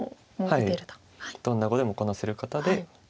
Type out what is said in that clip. どんな碁でもこなせる方で。